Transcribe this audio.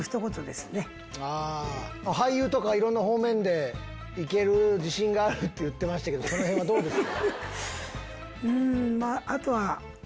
俳優とかいろんな方面で行ける自信があると言ってましたけどそのへんはどうですか？